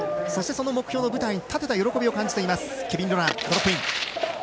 そして、その目標の舞台に立てた喜びを感じています。